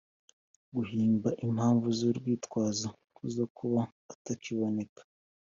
agahimba impamvu z urwitwazo zo kuba atakiboneka